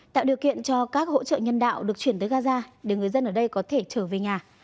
tạo điều kiện cho các hỗ trợ nhân đạo được chuyển tới gaza để người dân ở đây có thể trở về nhà